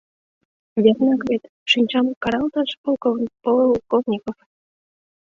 — Вернак вет!.. — шинчам каралтыш Полковников.